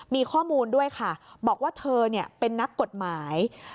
มีข้อมูลด้วยค่ะบอกว่าเธอเป็นนักกฎหมาย